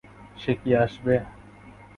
সে কি আসবে?